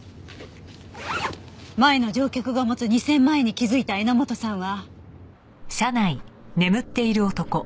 前の乗客が持つ２０００万円に気づいた榎本さんは。